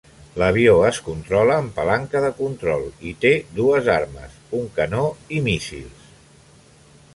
L'avió es controla amb palanca de control i té dues armes: un canó i míssils.